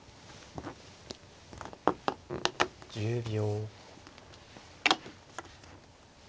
１０秒。